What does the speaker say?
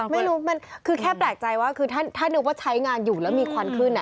ไม่รู้มันคือแค่แปลกใจว่าคือถ้านึกว่าใช้งานอยู่แล้วมีควันขึ้น